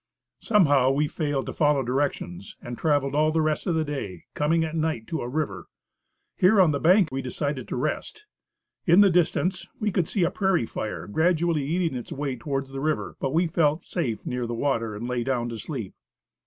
Somehow we failed to follow directions and traveled all the rest of the day, coming at night to a river. Here on the bank we decided to rest. In the distance we could see a prairie fire, gradually eating its way towards the river; but we felt safe near the water and lay down to sleep.